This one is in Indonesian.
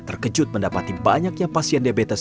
terkejut mendapati banyaknya pasien diabetes